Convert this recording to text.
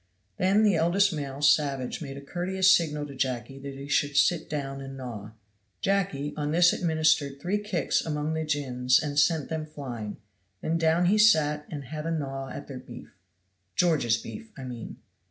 Then the eldest male savage made a courteous signal to Jacky that he should sit down and gnaw. Jacky on this administered three kicks among the gins and sent them flying, then down he sat and had a gnaw at their beef George's beef, I mean.